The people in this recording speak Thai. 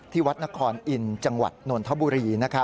วัดนครอินทร์จังหวัดนนทบุรี